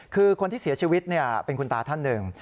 คือคนที่เสียชีวิตเป็นคุณตาท่านหนึ่ง